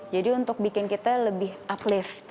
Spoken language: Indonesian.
jadi untuk bikin kita lebih uplift